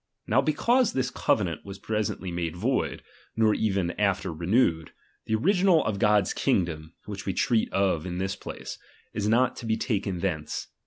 Now because this covenant was presently made void, nor ever after renewed, the original of God's kingdom (which we treat of in this place) is not to be taken thence.